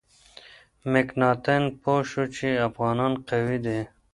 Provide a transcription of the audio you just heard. مکناتن پوه شو چې افغانان قوي دي.